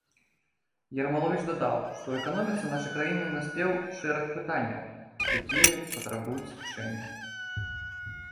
Ермаловіч дадаў, што ў эканоміцы нашай краіны наспеў шэраг пытанняў, якія патрабуюць рашэння.